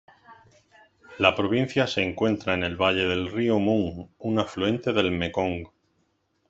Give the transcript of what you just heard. La provincia se encuentra en el valle del río Mun, un afluente del Mekong.